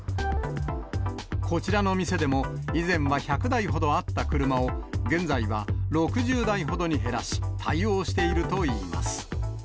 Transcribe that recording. こちらの店でも、以前は１００台ほどあった車を、現在は６０台ほどに減らし、対応しているといいます。